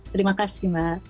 terima kasih mas